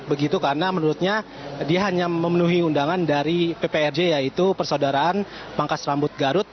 begitu karena menurutnya dia hanya memenuhi undangan dari pprj yaitu persaudaraan pangkas rambut garut